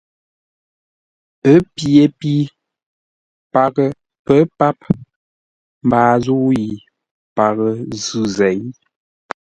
Ə́ pye pi paghʼə pə̌ páp, mbaa zə̂u yi paghʼə zʉ̂ zěi.